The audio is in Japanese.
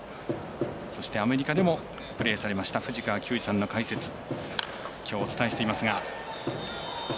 そして、アメリカでもプレーされました藤川球児さんの解説できょうお伝えしていますが。